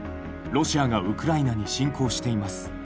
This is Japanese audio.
ロシアがウクライナに侵攻しています。